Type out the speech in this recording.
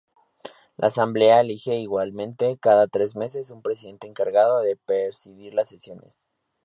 La asamblea elige igualmente, cada tres meses, un presidente encargado de presidir las sesiones.